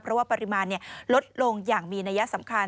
เพราะว่าปริมาณลดลงอย่างมีนัยสำคัญ